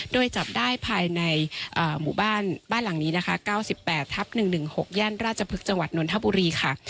โดยจับได้ภายในหมู่บ้านบ้านหลังนี้นะคะ๙๘ทับ๑๑๖ย่านราชพฤกษจังหวัดนนทบุรีค่ะ